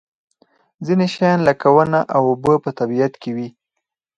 ځینې شیان لکه ونه او اوبه په طبیعت کې وي.